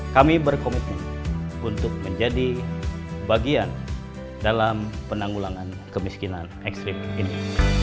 kami berkomitmen untuk menjadi bagian dalam penanggulangan kemiskinan ekstrim ini